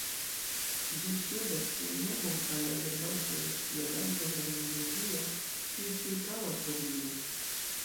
Ĝi ŝuldas sian nomon al la germana federacia lando Brandenburgio, kiu ĉirkaŭas Berlinon.